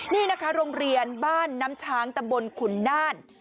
นี่นะคะโรงเรียนบ้านน้ำช้างตำบลขุนน่าน